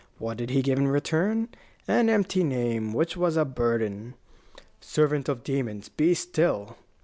What did he give in return? An empty name, which was a burden " "Servant of demons, be still!"